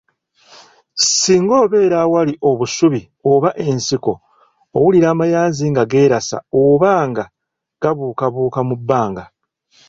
Singa obeera awali obusubi oba ensiko owulira amayanzi nga geerasa oba nga gabuukabuuka mu bbanga.